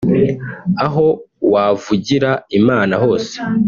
Aho wavugira Imana hose